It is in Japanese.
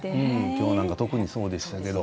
今日なんか特にそうでしたけど。